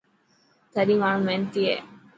ٿري ماڻهو محنتي هي.